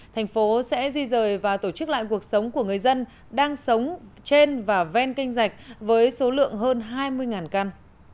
thành phố sẽ di rời và tổ chức lại cuộc sống của người dân đang sống trên và ven kênh dạch với số lượng hơn hai mươi căn